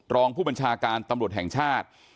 รองผู้บัญชาการตำรวจแห่งชาติ